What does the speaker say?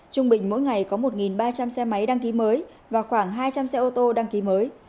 trung bình mỗi ngày có một ba trăm linh xe máy đăng ký mới và khoảng hai trăm linh xe ô tô đăng ký mới